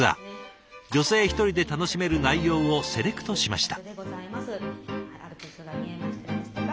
女性１人で楽しめる内容をセレクトしました。